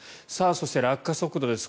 そして落下速度です。